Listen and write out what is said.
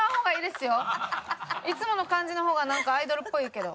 いつもの感じの方がなんかアイドルっぽいけど。